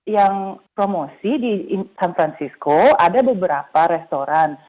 yang promosi di san francisco ada beberapa restoran